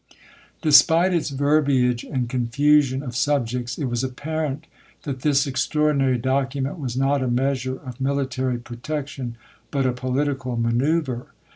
467. Despite its verbiage and confusion of subjects, it was apparent that this extraordinary document was not a measure of military protection, but a polit ical manoeuvi e.